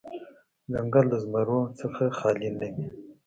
ـ ځنګل د زمرو نه خالې نه وي.